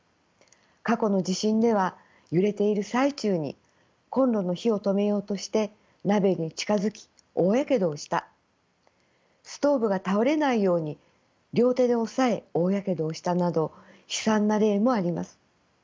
過去の地震では揺れている最中にコンロの火を止めようとして鍋に近づき大やけどをしたストーブが倒れないように両手で押さえ大やけどをしたなど悲惨な例もあります。